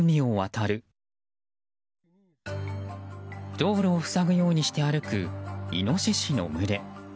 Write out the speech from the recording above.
道路を塞ぐようにして歩くイノシシの群れ。